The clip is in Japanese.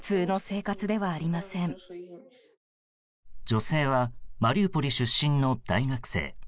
女性はマリウポリ出身の大学生。